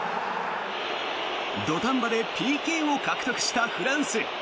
土壇場でＰＫを獲得したフランス。